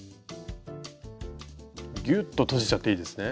ギュッと閉じちゃっていいですね？